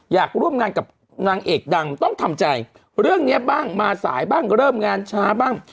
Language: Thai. อยากร่วมงานกับนางเอกดังต้องทำใจเรื่องนี้บ้างมาสายบ้างเริ่มงานช้าบ้าง